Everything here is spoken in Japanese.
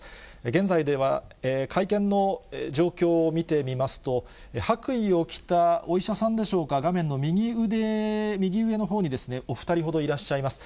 現在では、会見の状況を見てみますと、白衣を着たお医者さんでしょうか、画面の右上のほうに、お２人ほどいらっしゃいます。